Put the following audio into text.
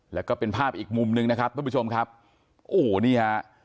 แล้วก็เป็นภาพอีกมุมหนึ่งนะครับท่านผู้ชมครับโอ้โหนี่ฮะ